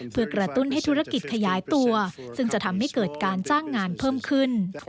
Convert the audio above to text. เพื่อกระตุ้นให้ธุรกิจขยายตัวซึ่งจะทำให้เกิดการจ้างงานเพิ่มขึ้น